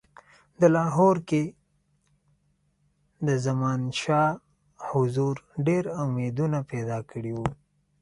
د لاهور کې د زمانشاه حضور ډېر امیدونه پیدا کړي وه.